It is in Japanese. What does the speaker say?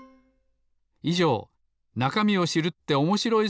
いじょう「なかみを知るっておもしろい！